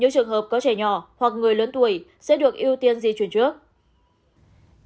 nếu trường hợp có trẻ nhỏ hoặc người lớn tuổi sẽ được ưu tiên di chuyển trước